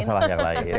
masalah yang lain